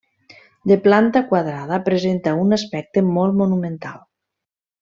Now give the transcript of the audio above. De planta quadrada presenta un aspecte molt monumental.